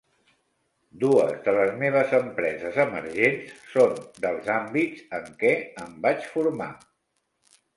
Dues de les meves empreses emergents són dels àmbits en què em vaig formar.